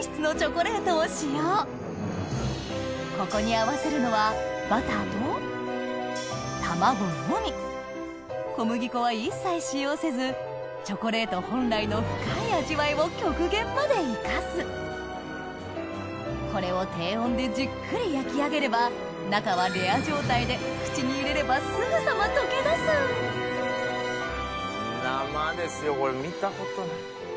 ここに合わせるのはバターと卵のみ小麦粉は一切使用せずチョコレート本来の深い味わいを極限まで生かすこれを低温でじっくり焼き上げれば中はレア状態で口に入れればすぐさま溶け出す生ですよこれ見たことない。